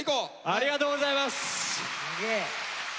ありがとうございます！